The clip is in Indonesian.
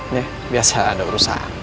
nih biasa ada urusan